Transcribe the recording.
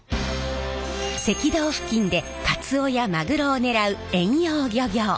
赤道付近でカツオやマグロを狙う遠洋漁業。